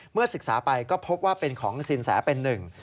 ศึกษาไปก็พบว่าเป็นของสินแสเป็นหนึ่ง